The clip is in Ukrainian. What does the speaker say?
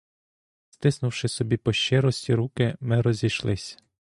Стиснувши собі по щирості руки, ми розійшлись.